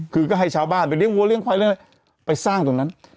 คือก็ให้ชาวบ้านไปเรียกว่าเรียกความเรื่องอะไรไปสร้างตรงนั้น